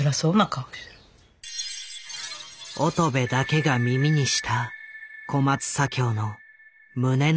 乙部だけが耳にした小松左京の胸の内とは。